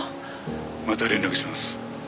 「また連絡します」